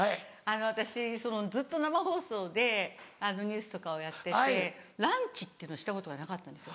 私ずっと生放送でニュースとかをやっててランチっていうのをしたことがなかったんですよ。